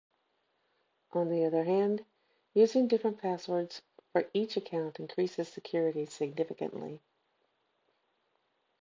On the other hand, using different passwords for each account increases security significantly.